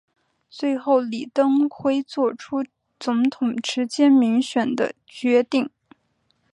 最后李登辉做出总统直接民选的决定。